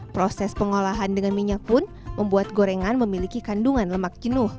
proses pengolahan dengan minyak pun membuat gorengan memiliki kandungan lemak jenuh